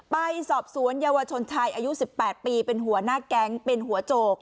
ไปสอบสวนเยาวชนชายอายุ๑๘ปีเป็นหัวหน้าแก๊งเป็นหัวโจก